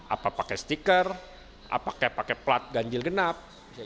apa pakai stiker apa pakai plat ganjil genap